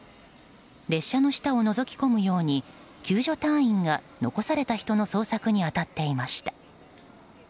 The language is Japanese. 列車の下をのぞき込むように救助隊員が残された人の捜索に当たっていました。